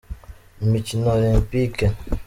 Imikino Olempike